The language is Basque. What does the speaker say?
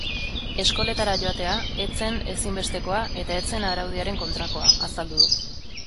Eskoletara joatea ez zen ezinbestekoa eta ez zen araudiaren kontrakoa, azaldu du.